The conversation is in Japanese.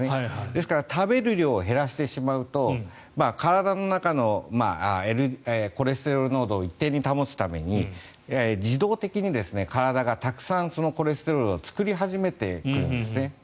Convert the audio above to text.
ですから食べる量を減らしてしまうと体の中のコレステロール濃度を一定に保つために自動的に体がたくさんコレステロールを作り始めてくるんです。